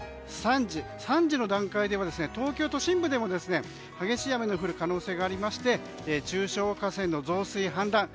２時、３時の段階では東京都心部でも強い雨が降る可能性がありまして中小河川の増水・氾濫。